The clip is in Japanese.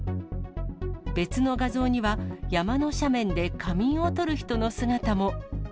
別の画像には、山の斜面で仮眠をとる人の姿も。